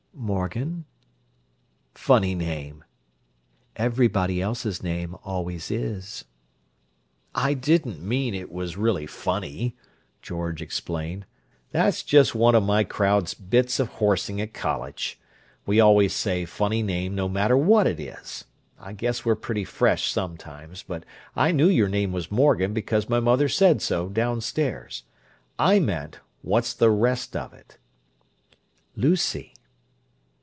"Morgan." "Funny name!" "Everybody else's name always is." "I didn't mean it was really funny," George explained. "That's just one of my crowd's bits of horsing at college. We always say 'funny name' no matter what it is. I guess we're pretty fresh sometimes; but I knew your name was Morgan because my mother said so downstairs. I meant: what's the rest of it?" "Lucy."